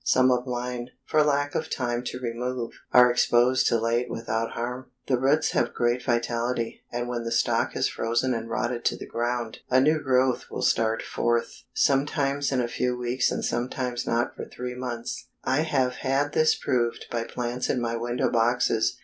Some of mine, for lack of time to remove, are exposed till late without harm. The roots have great vitality, and when the stalk has frozen and rotted to the ground, a new growth will start forth, sometimes in a few weeks, and sometimes not for three months. I have had this proved by plants in my window boxes.